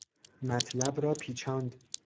مطلب را پیچاند.